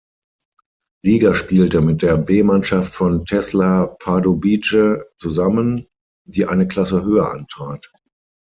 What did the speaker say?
Liga spielte, mit der B-Mannschaft von "Tesla Pardubice" zusammen, die eine Klasse höher antrat.